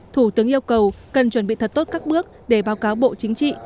thủ tướng yêu cầu cần chuẩn bị thật tốt các bước để báo cáo bộ chính trị